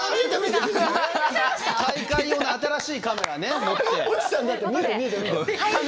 大会用の新しいカメラ持って。